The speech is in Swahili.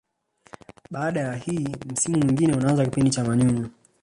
Baada ya hii msimu mwingine unaanza kipindi cha manyunyu